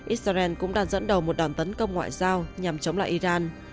israel cũng đang dẫn đầu một đòn tấn công ngoại giao nhằm chống lại iran